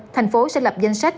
thành phố sẽ lập danh sách